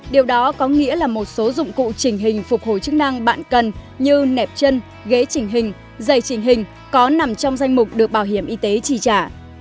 điều đó có nghĩa là một số dụng cụ trình hình phục hồi chức năng bạn cần như nẹp chân ghế trình hình dày trình hình có nằm trong danh mục được bảo hiểm y tế chi trả